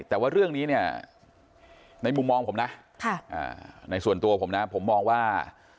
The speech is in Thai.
แต่ว่าเรื่องนี้เนี่ยในมุมมองผมนะในส่วนตัวผมนะผมมองว่า